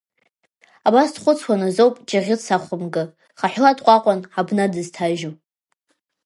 Абас дхәыцуан азоуп Ҷыӷьыц ахәымга, хаҳәла дҟәаҟәан, абна дызҭажьу.